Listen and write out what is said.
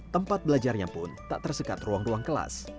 tempat belajarnya pun tak tersekat ruang ruang kelas